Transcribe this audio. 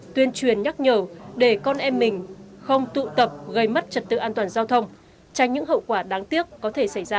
tuyên truyền nhắc nhở để con em mình không tụ tập gây mất trật tự an toàn giao thông tránh những hậu quả đáng tiếc có thể xảy ra